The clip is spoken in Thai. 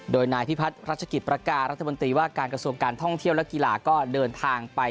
โดยนายพิพัฒน์รัชกิจประการรัฐมนตรีว่าการกระทรวงการท่องเที่ยวและกีฬาก็เดินทางไป